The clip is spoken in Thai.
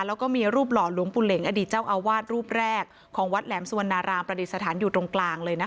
แล้วก็มีรูปหล่อหลวงปู่เหล็งอดีตเจ้าอาวาสรูปแรกของวัดแหลมสุวรรณรามประดิษฐานอยู่ตรงกลางเลยนะคะ